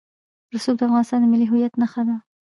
رسوب د افغانستان د ملي هویت نښه ده.